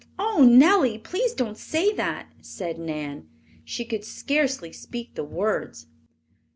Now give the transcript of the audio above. "Oh, Nellie, please don't say that!" said Nan. She could scarcely speak the words.